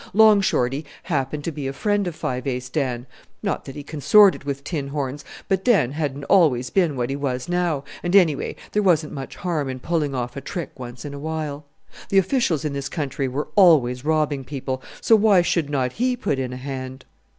Long Shorty happened to be a friend of Five Ace Dan; not that he consorted with tin horns, but Dan hadn't always been what he was now, and, anyway, there wasn't much harm in pulling off a trick once in a while! The officials in this country were always robbing people, so why should not he put in a hand?